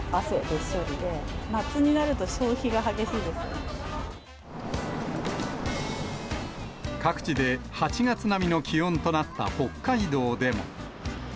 っしょりで、各地で８月並みの気温となった北海道でも。